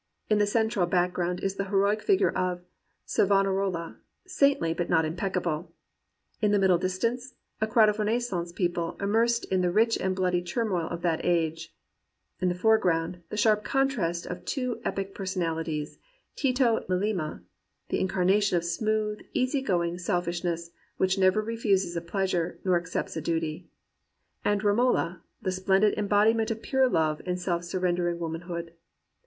In the central background is the heroic figure of Savonarola, saintly but not imp>eccable; in the middle distance, a crowd of Renaissance people immersed in the rich and bloody turmoil of that age; in the foreground, the sharp contrast of two epic personalities — ^Tito Melema, the incarnation of smooth, easy going self ishness which never refuses a pleasure nor accepts a duty; and Romola, the splendid embodiment of pure love in self surrendering womanhood.